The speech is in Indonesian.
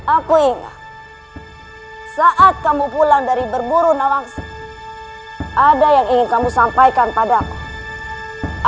aku ingat saat kamu pulang dari berburu nawaks ada yang ingin kamu sampaikan padamu